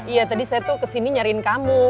iya tadi saya tuh ke sini nyariin kamu